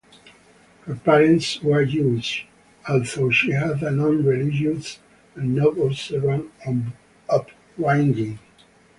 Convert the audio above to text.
Her parents were Jewish, although she had a non-religious and non-observant upbringing.